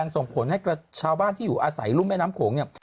ส่งผลให้ชาวบ้านที่อยู่อาศัยรุ่มแม่น้ำโขงเนี่ย